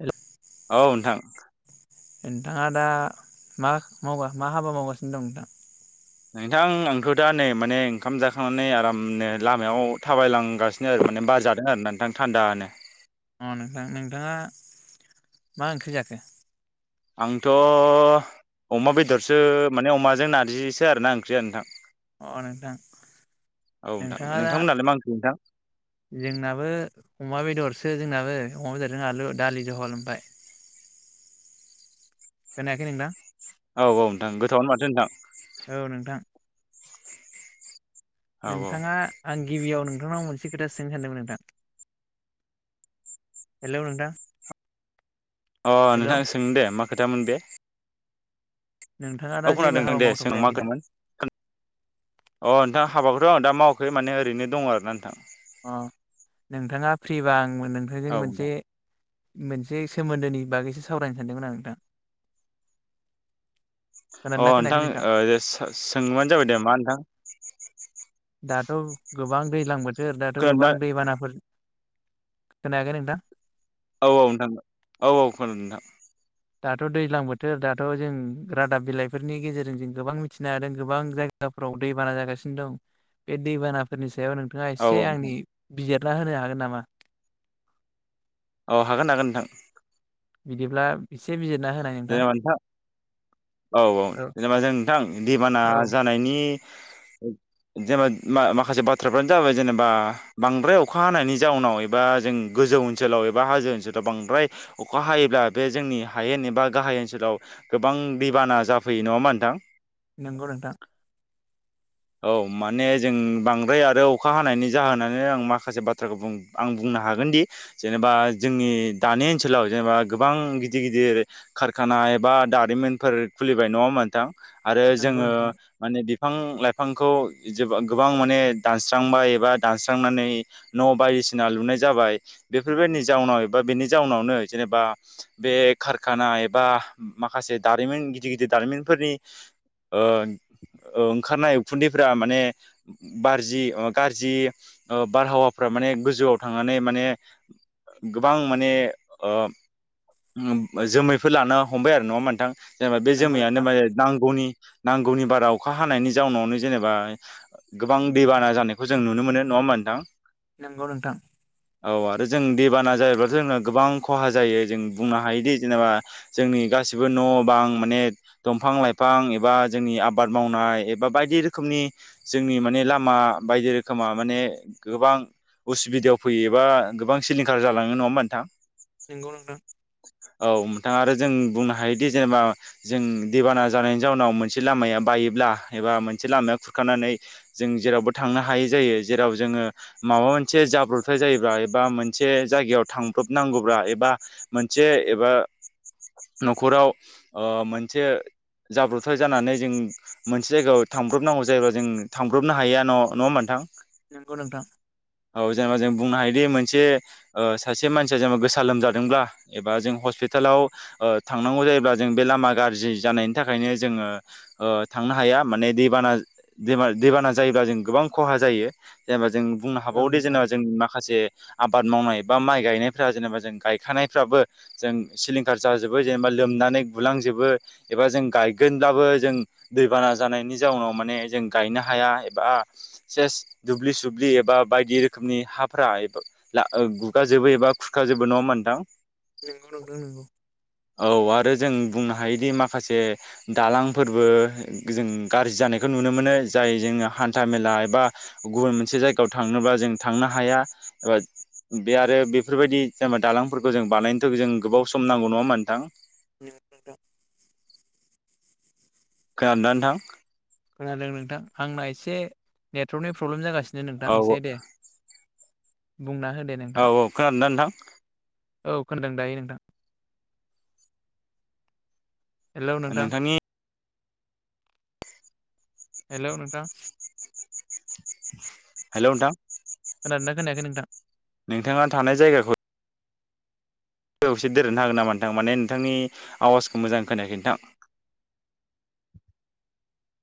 हेल' औ नोंथां नोंथाङा दा मा मावगा मा हाबा मावगासिनो दं नोंथां? नोंथां आंथ' दा नै माने ओंखाम जाखांनानै आरामनो लामायाव थाबायलांगासिनो। माने बारजादों आरोना नोंथां थान्दानो। अ नोंथां नोंथाङा मा ओंख्रि जाखो? आंथ' अमा बेदरसो माने अमाजों नारजिसो आरोना ओंख्रिया नोंथां। अ नोंथां औ नोंथां नोंथाङा दा नोंथांमोनालाय मा ओंख्रि नोंथां? जोंनाबो अमा बेदर सो जोंनाबो अमा बेदरजों आलु दालि जहल आमफाय। खोनायाखै नोंथां? औ औ नोंथां गोथावयानो माथो नोंथां। औ नोंथां औ नोंथाङा आं गिबियाव नोंथांनाव मोनसे खोथा सोंनो सानदोंमोन नोंथां। हेलौ नोंथां। अ हेल' नोंथां सोंदोदे। मा खोथामोन बे? नोंथाङा दा औ जेबो खोनादों नोंथां हाबा दे सों मा मावथ'खायाखै दा खोथामोन। अ नोंथां हाबाखौथ' आं दा मावाखै माने ओरैनो दङ आरोना नोंथां। अ नोंथाङा फ्रिबा आंबो नोंथांजों औ नोंथां मोनसे मोनसे सोमोन्दोनि बागैसो सावरायनो सानदोंमोन आं नोंथां। अ खोनादोंना खोनायाखै नोंथां ओ दे सो-सोंबानो जाबाय दे मा नोंथां? दाथ' गोबां दैज्लां बोथोर दाथ' खोनादोंना गोबां दैबानाफोर खोनायाखै नोंथां? औ औ नोंथां औ औ खोनादों नोंथां। दाथ' दैज्लां बोथोर दाथ' जों रादाब बिलाइफोरनि गेजेरजों जों गोबां मिथिनो हादों गोबां जाय गाफ्राव दैबाना जागासिनो दं बे दैबानाफोरनि सा सायाव नोंथाङा औ एसे औ आंनि बिजिरना होनो हागोन नामा? औ हागोन हागोन नोंथां। बिदिब्ला एसे बिजिरना होनाय नोंथां जेनेबा नोंथा औ औ जेनेबा जों थां दैबाना औ जानायनि जेनेबा मा-माखासे बाथ्राफ्रानो जाबाय जेनेबा बांद्राय अखा हानायनि जाउनाव एबा जों गो जौ ओनसोलाव एबा हाजो ओनसोलाव बांद्राय अखा हायोब्ला बे जोंनि हायेन एबा गाहाय ओनसोलाव गोबां दैबाना जाफैयो। नङा होमबा नोंथां? नोंगौ नोंथां। औ माने जों बांद्राय आरो अखा हानायनि जाहोनानो आं माखासे बाथ्राखौ बुं आं बुं नो हागोनदि जेनेबा जोंनि दानि ओनसोलाव जेनेबा गोबां गिदिर गिदिर खारखा ना एबा दारिमिनफोर खुलिबाय। नङा होमबा नोंथां? आरो नंगौ जोङो नोंथां माने बिफां-लाइ फांखौ जोबा गोबां माने दानस्रांबाय एबा दानस्रांनानै न' बायदिसिना लुनाय जाबाय बेफोरबायदिनि जाउनाव एबा बेनि जाउनावनो जेनेबा बे खारखाना एबा माखासे दारिमिन गिदिर गिदिर दारिमिनफोरनि ओ ओंखारनाय उखुन्दैफ्रा माने बारजि ओ गारजि ओ बारहावाफ्रा माने गोजौआव थांगोना नै माने गोबां माने ओ उम जोमैफोर लानो हमबाय आरो नङा होमबा नोंथां? जेनेबा बे नंगौ जोमैयानो नोंथां माने नांगौनि नांगौनि बारा अखा हानायनि जाउनावनो जेनेबा गोबां दैबाना जानायखौ जों नुनो मोनो। नङा होमबा नोंथां? नंगौ नोंथां औ आरो जों दैबाना जाहोब्ला जोंना गोबां खहा जायो जों बुंनो हायोदि जेनेबा जोंनि गासिबो न' बां माने दंफां-लाइफां एबा जोंनि आबाद मावनाय एबा बायदि रो खोमनि जोंनि माने लामा बायदि रोखोमा माने गोबां उसुबिदायाव फैयो एबा गोबां सिलिंखार जालाङो नङा होमबा नोंथां? नंगौ नोंथां औ नोंथाङा आरो जों बुंनो हायोदि जेनेबा जों दैबाना जानायनि जाउनाव मोनसे लामाया बायोब्ला एबा मोन से लामाया खुरखानानै जों जेरावबो थांनो हायै जायो जेराव जोङो माबा मोनसे जाब्रबथाय जायो एबा मोनसे जायायाव थांब्रबनांगौबा एबा मोनसे एबा न'खराव ओ मोनसे जाब्रबथाय जानानै जों मोनसे जायगायाव थांब्रबनांगौ जायोब्लाा जों थांब्रबनो हाया न' न'आ ओमबा मोनथां नंगौ नोंथां। जों बुंनो हायोदि मोनसे सासे मानसिया जेनेबा गोसा लोमजादोंब्ला एबा जों हस्पिटालाव थांनांगौ जायोब्ला जों बे लामा गाज्रि जानायनि थाखायनो जोङो थांनो हाया। माने दैबाना दै दैबाना जायोब्ला जों गोबां खहा जायो जेनेबा जों बुंनो औ हाबावो दि नोंथां जेनेबा जोंनि माखासे आबाद मावनाय बा माइ गायनायफ्रा जेनेबा जों गायखानायफ्राबो जों सिलिंखार जाजोबो जेनेबा लोमनानै बुलांजोबो एबा जों गायगोनब्लाबो जों दैबाना जानायनि जा जउनाव माने जों गायनो हाया एबा सेस दुब्लि सुब्लि एबा बायदि रोखोम नि हाफ्रा गुगाजोबो एबा खुरखाजोबो नङा मोनदां नंगौ नंगौ नंगौ। आरो जों बुंनो हायोदि माखासे दालांफोरबो जों गाज्रि जानायखौ नुनो मोनो जाय जोङो हान्था मेला एबा गुबुन मोनसे जायगायाव थांनोब्लाा जों जों थांनो हाया एबा। बे आरो बेफोरबायदि जेनेबा दालांफोरखौ जों बानायनो थाखाय' जों गोबाव सम नांगौ नङा नोंथां। [inaudible] खोनादोना नोथां? खोनादों नोंथां आंना एसे नेटवर्कनि प्रब्लेम जागासिनो नो नोंथां औ इसे दे। बुंना होनदो औ नोंथां खोनादोंना नोंथां औ खोनादों दायो नोंथां। हेलौ नोंथां। नोंथांनि हेल' नोंथां। हेलौ नोंथां खोनादोंना खोनायाखै नोंथां? नोंथाङा थानाय जायगाखौ गोसे दोरनो हागोन नामा नोंथां माने नोंथांनि आवाजखौ मोजां खोनायाखै नोंथां [unintelligible]